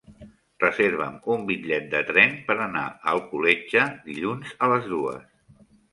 Reserva'm un bitllet de tren per anar a Alcoletge dilluns a les dues.